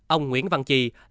ông nguyễn văn chiến